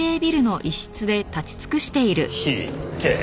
ひっでえ